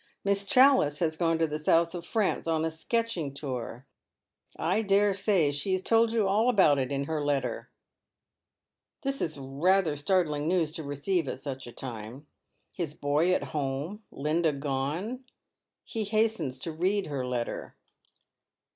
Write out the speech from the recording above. Miss Challice has gone tc the south of France on a sketching tour. I dare say she has told you all about it in her letter." This is rather startling news to receive at such a time. His boy at home, Linda gone. He hastens to read her letter.